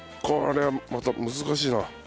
これはまた難しいな。